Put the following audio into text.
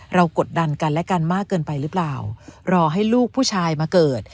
กดดันกันและกันมากเกินไปหรือเปล่ารอให้ลูกผู้ชายมาเกิด